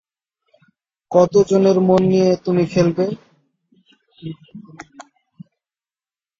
কতজনের মন নিয়ে তুমি খেলবে?